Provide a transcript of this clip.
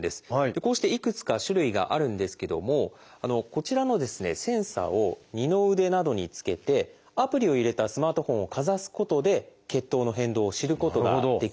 こうしていくつか種類があるんですけどもこちらのセンサーを二の腕などにつけてアプリを入れたスマートフォンをかざすことで血糖の変動を知ることができるんです。